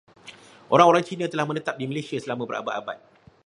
Orang-orang Cina telah menetap di Malaysia selama berabad-abad.